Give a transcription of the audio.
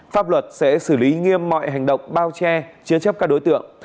pháp luật sẽ xử lý nghiêm mọi hành động bao che chứa chấp các đối tượng